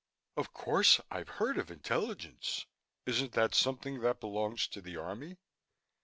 "Of course, I've heard of Intelligence. Isn't that something that belongs to the Army?"